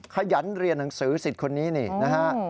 ขยันเรียนหนังสือสิทธิ์คนนี้นี่นะฮะ